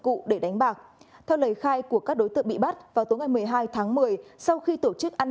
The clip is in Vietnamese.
cụ để đánh bạc theo lời khai của các đối tượng bị bắt vào tối ngày một mươi hai tháng một mươi sau khi tổ chức ăn